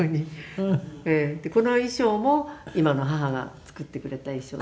この衣装も今の母が作ってくれた衣装です。